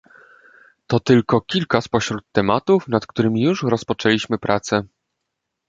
To tylko kilka spośród tematów, nad którymi już rozpoczęliśmy prace